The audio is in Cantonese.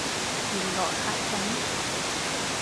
原來係咁